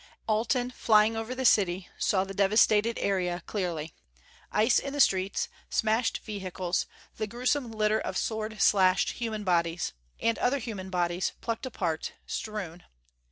Allen, flying over the city, saw the devastated area clearly. Ice in the streets smashed vehicles the gruesome litter of sword slashed human bodies. And other human bodies, plucked apart; strewn....